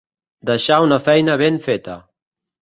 Deixar una feina ben feta.